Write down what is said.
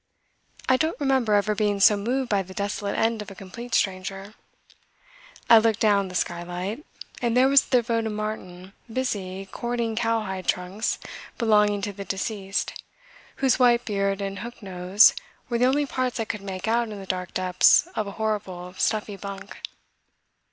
I don't remember ever being so moved by the desolate end of a complete stranger. I looked down the skylight, and there was the devoted Martin busy cording cowhide trunks belonging to the deceased whose white beard and hooked nose were the only parts I could make out in the dark depths of a horrible stuffy bunk.